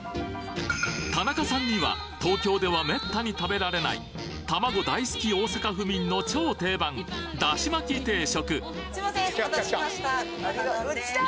田中さんには東京ではめったに食べられない玉子大好き大阪府民の超定番だし巻き定食すいません。